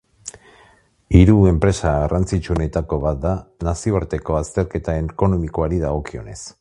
Hiru enpresa garrantzitsuenetako bat da nazioarteko azterketa ekonomikoari dagokionez.